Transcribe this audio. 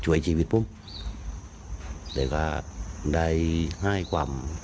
ช่วยชีวิตปุ๊บแต่ก็ได้ให้ความ